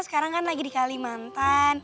sekarang kan lagi di kalimantan